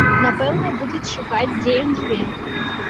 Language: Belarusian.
Напэўна, будуць шукаць, дзе ён жыве.